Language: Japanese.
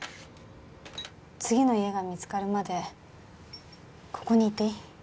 次の家が見つかるまでここにいていい？